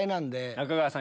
中川さん